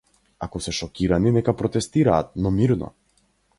Ако се шокирани, нека протестираат, но мирно.